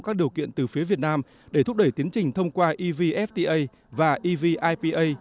các điều kiện từ phía việt nam để thúc đẩy tiến trình thông qua evfta và evipa